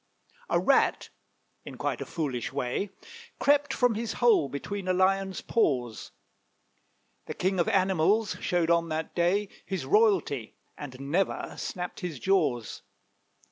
A Rat, in quite a foolish way, Crept from his hole between a Lion's paws; The king of animals showed on that day His royalty, and never snapped his jaws.